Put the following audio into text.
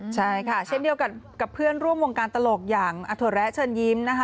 ใช่ค่ะเช่นเดียวกับเพื่อนร่วมวงการตลกอย่างอัฐวแระเชิญยิ้มนะคะ